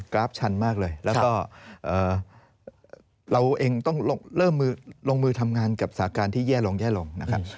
ราฟชันมากเลยแล้วก็เราเองต้องเริ่มลงมือทำงานกับสาการที่แย่ลงแย่ลงนะครับ